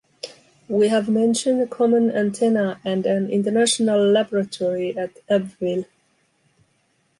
We have mentioned a common antenna and an international laboratory at Abbeville.